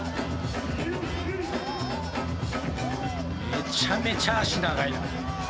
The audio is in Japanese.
めちゃめちゃ足長いな。